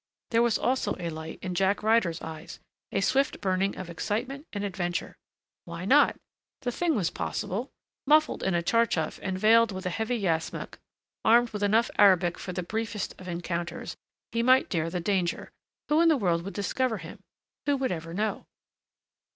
There was also a light in Jack Ryder's eyes, a swift burning of excitement and adventure. Why not? The thing was possible. Muffled in a tcharchaf and veiled with a heavy yashmak, armed with enough Arabic for the briefest of encounters, he might dare the danger. Who in the world would discover him? Who would ever know?